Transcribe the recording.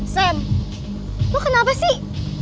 sam lo kenapa sih